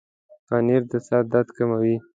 پنېر د سر درد کموي.